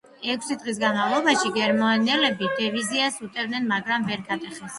ექვსი დღის განმავლობაში გერმანელები დივიზიას უტევდნენ, მაგრამ ვერ გატეხეს.